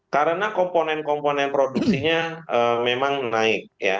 karena komponen komponen produksinya memang naik